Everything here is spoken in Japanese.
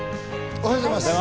おはようございます。